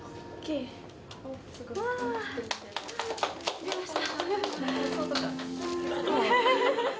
切れました。